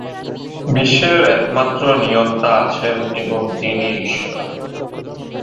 বিশ্বের একমাত্র নিয়ন্তা আছেন এবং তিনি ঈশ্বর।